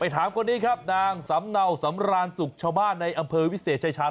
ถามคนนี้ครับนางสำเนาสำรานสุขชาวบ้านในอำเภอวิเศษชายชาญ